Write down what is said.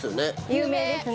有名ですね